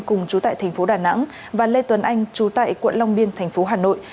cùng chú tại thành phố đà nẵng và lê tuấn anh chú tại quận long biên thành phố hà nội